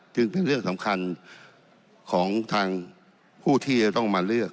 เป็นเรื่องสำคัญของทางผู้ที่จะต้องมาเลือก